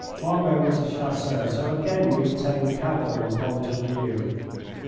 Marbot was a Chasseur, so again we obtain the Cavalry point of view.